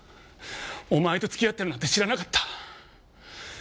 お前と付き合ってるなんて知らなかった。